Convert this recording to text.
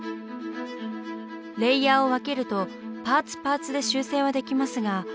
レイヤーを分けるとパーツパーツで修正はできますが。